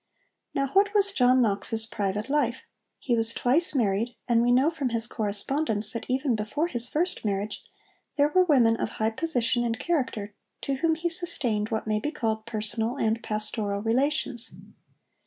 Now what was John Knox's private life? He was twice married, and we know from his correspondence that even before his first marriage there were women of high position and character to whom he sustained what may be called personal and pastoral relations.